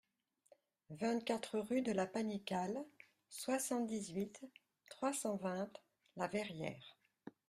vingt-quatre rue de la Panicale, soixante-dix-huit, trois cent vingt, La Verrière